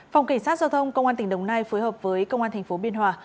phòng cảnh sát giao thông công an tỉnh đồng nai phối hợp với công an tp biên hòa